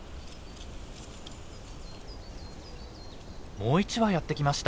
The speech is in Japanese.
もう一羽やって来ました。